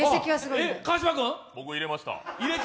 僕、入れました。